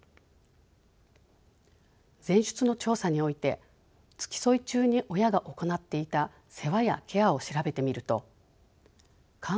前出の調査において付き添い中に親が行っていた世話やケアを調べてみると看護補助者の業務